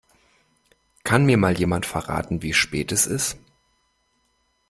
Kann mir mal jemand verraten, wie spät es ist?